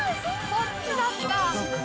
「そっちだった」